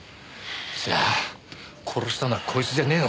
じゃあ殺したのはこいつじゃねえのか？